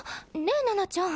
えナナちゃん